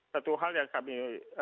satu hal yang kami